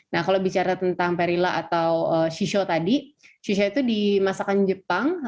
nah kalau bicara tentang perila atau shishow tadi shisha itu di masakan jepang